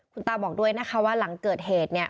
คุณตาบอกด้วยนะคะว่าหลังเกิดเหตุเนี่ย